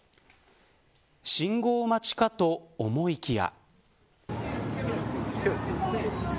信号待ちかと思いきや。